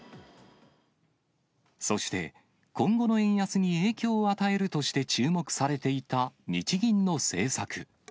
そして、今後の円安に影響を与えるとして注目されていた日銀の政策。